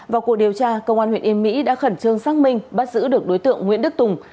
vào cuộc điều tra công an huyện yên mỹ đã khẩn trương xác minh bắt giữ được đối tượng nguyễn đức tùng